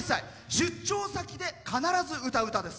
出張先で必ず歌う歌です。